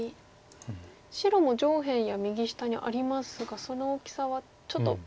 白も上辺や右下にありますがその大きさはちょっと足りないんですか。